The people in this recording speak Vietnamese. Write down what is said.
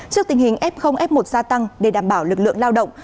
trước tình hình f f một gia tăng để đảm bảo lực lượng lao động